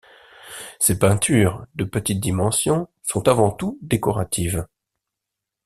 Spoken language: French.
Ses peintures, de petites dimensions, sont avant tout décoratives.